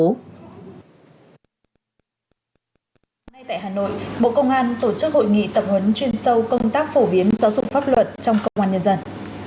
bộ công an tổ chức hội nghị tập huấn chuyên sâu công tác phổ biến giáo dục pháp luật trong công an nhân dân